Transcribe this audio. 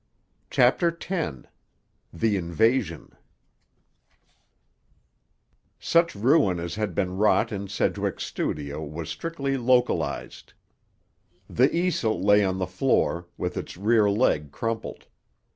CHAPTER X—THE INVASION Such ruin as had been wrought in Sedgwick's studio was strictly localized. The easel lay on the floor, with its rear leg crumpled.